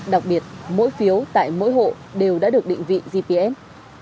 đặc biệt mỗi phiếu tại mỗi hộ đều đã được định vị gps